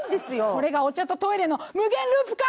これがお茶とトイレの無限ループか！